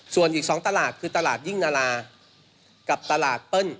ส่วนอีก๒ตลาดคือตลาดยิ่งนารากับตลาดเปิ้ล